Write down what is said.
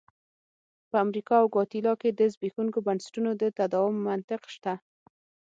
په امریکا او ګواتیلا کې د زبېښونکو بنسټونو د تداوم منطق شته.